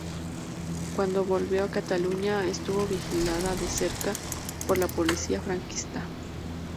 Cuando volvió a Cataluña, estuvo vigilada de cerca por la policía franquista.